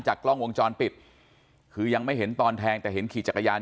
กล้องวงจรปิดคือยังไม่เห็นตอนแทงแต่เห็นขี่จักรยาน